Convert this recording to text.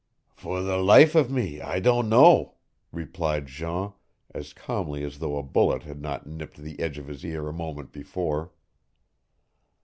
"For the life of me I don't know," replied Jean, as calmly as though a bullet had not nipped the edge of his ear a moment before.